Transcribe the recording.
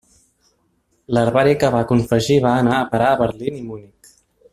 L'herbari que va confegir van anar a parar a Berlín i Munic.